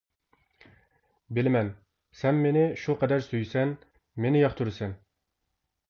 بىلىمەن، سەن مېنى شۇ قەدەر سۆيىسەن، مېنى ياقتۇرىسەن.